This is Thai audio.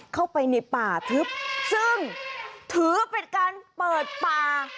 เข้าไปในป่าทึบซึ่งถือเป็นการเปิดป่า